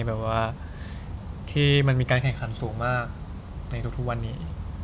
แบบว่าที่มันมีการแข่งขันสูงมากในทุกวันนี้